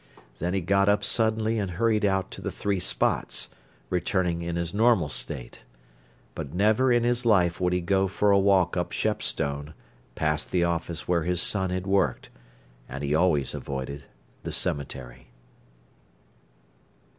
Then he got up suddenly and hurried out to the Three Spots, returning in his normal state. But never in his life would he go for a walk up Shepstone, past the office where his son had worked, and he always avoided the cemetery.